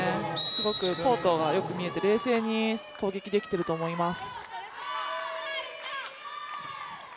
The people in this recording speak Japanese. すごくコートがよく見えて冷静に攻撃できていると思います。